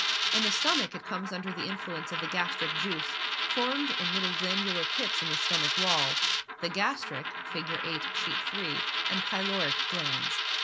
In the stomach it comes under the influence of the gastric juice, formed in little glandular pits in the stomach wall the gastric (Figure VIII. Sheet 3) and pyloric glands.